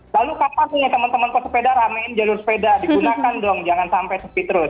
lalu kapan nih teman teman pesepeda ramein jalur sepeda digunakan dong jangan sampai sepi terus